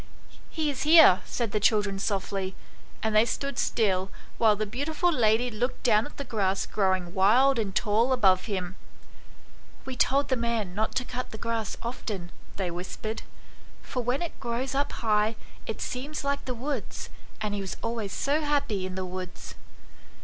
"He is here," said the children softly, and they stood still, while the beautiful lady looked down at the grass growing wild and tall above him. "We told the man not to cut the grass often," they whispered ;" for when it grows up high it seems like the woods, and he was always so happy in the woods."